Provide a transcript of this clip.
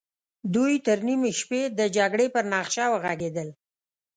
دوی تر نيمې شپې د جګړې پر نخشه وغږېدل.